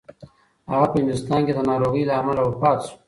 هغه په هندوستان کې د ناروغۍ له امله وفات شو.